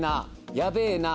やべえな。